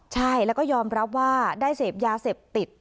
ใช่แล้วก็ยอมรับว่าได้เสพยาเสพติด